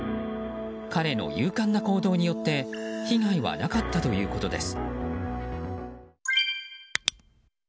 彼の勇敢な行動によって被害はなかったということです。